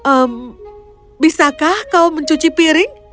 ehm bisakah kau mencuci piring